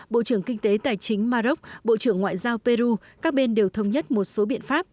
bộ trưởng kinh tế tài chính maroc bộ trưởng ngoại giao peru các bên đều thông nhất một số biện pháp